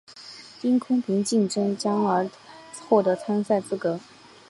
因公平竞技奖而获得参赛资格。